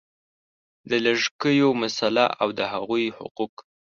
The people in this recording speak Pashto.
د لږکیو مسله او د هغوی حقوق